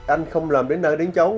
anh không làm đến nơi đến chống